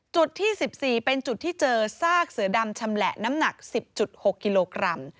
จุดที่๑๔เป็นจุดที่เจอซากเสือดำชำแหละน้ำหนัก๑๐๖กิโลกรัม